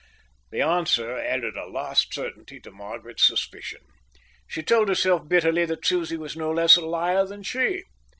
The answer added a last certainty to Margaret's suspicion. She told herself bitterly that Susie was no less a liar than she.